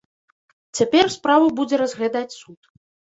Цяпер справу будзе разглядаць суд.